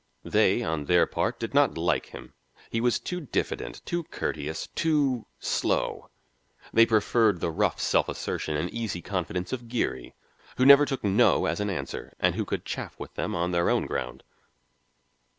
They, on their part, did not like him; he was too diffident, too courteous, too "slow." They preferred the rough self assertion and easy confidence of Geary, who never took "no" as an answer and who could chaff with them on their own ground.